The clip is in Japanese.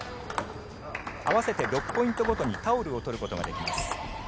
合わせて６ポイントごとにタオルを取ることができます。